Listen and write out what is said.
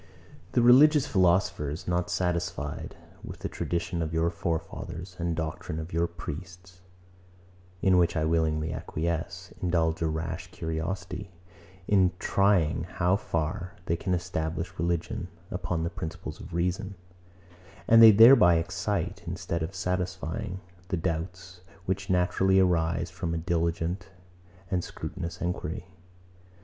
The religious philosophers, not satisfied with the tradition of your forefathers, and doctrine of your priests (in which I willingly acquiesce), indulge a rash curiosity, in trying how far they can establish religion upon the principles of reason; and they thereby excite, instead of satisfying, the doubts, which naturally arise from a diligent and scrutinous enquiry.